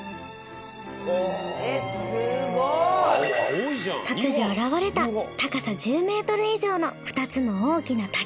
えっすごい。突如現れた高さ１０ｍ以上の２つの大きな滝。